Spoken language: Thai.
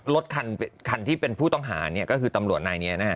รถคันที่เป็นผู้ต้องหาก็คือตำรวจนายนี้